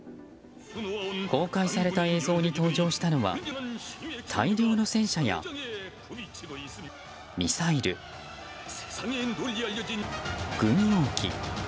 公開された映像に登場したのは大量の戦車やミサイル、軍用機。